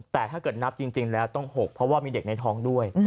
แต่ถ้าเกิดนับจริงแล้วต้อง๖เพราะว่ามีเด็กในท้องด้วย